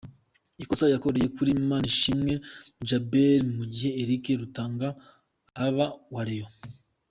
ikosa yakoreye kuri Manishimwe Djabel mu gihe Eric Rutanga Alba wa Rayon.